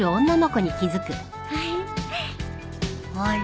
あれ？